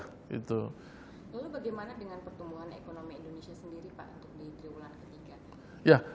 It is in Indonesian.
lalu bagaimana dengan pertumbuhan ekonomi indonesia sendiri pak untuk di triwulan ketiga